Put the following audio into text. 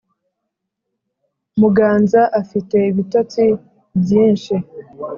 muganza afite ibitotsi byinshi